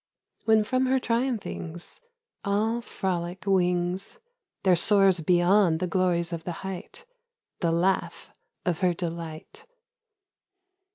When from her triumphings, All frolic wings There soars beyond the glories of the height, The laugh of her delight!